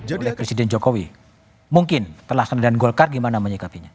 oleh presiden jokowi mungkin pelaksana dan golkar gimana menyikapinya